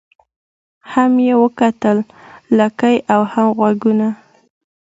هم یې وکتل لکۍ او هم غوږونه